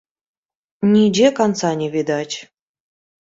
Нідзе канца не відаць.